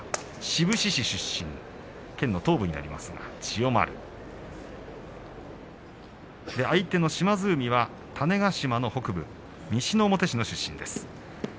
志布志市出身の千代丸相手の島津海、種子島の北部西之表市の出身です。